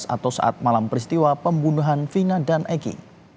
atau saat malam peristiwa pembunuhan vina dan egy